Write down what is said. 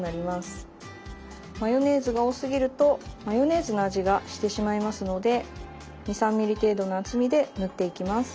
マヨネーズが多すぎるとマヨネーズの味がしてしまいますので２３ｍｍ程度の厚みで塗っていきます。